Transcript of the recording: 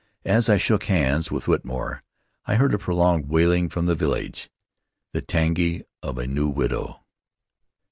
As I shook hands with Whitmore I heard a prolonged wailing from the village — the iangi of a new widow.